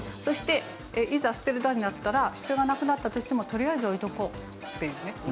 そしていざ捨てる段になったら必要がなくなったとしてもとりあえず置いておこうっていうね。